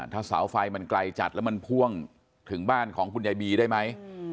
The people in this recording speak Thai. ถ้าเสาไฟมันไกลจัดแล้วมันพ่วงถึงบ้านของคุณยายบีได้ไหม